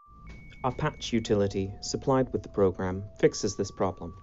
A "patch" utility supplied with the program fixes this problem.